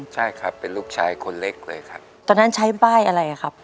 ใช่ครับเป็นลูกชายคนเล็กเลยครับตอนนั้นใช้ป้ายอะไรอ่ะครับ